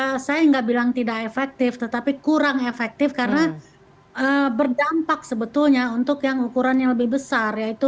ya saya nggak bilang tidak efektif tetapi kurang efektif karena berdampak sebetulnya untuk yang ukuran yang lebih besar yaitu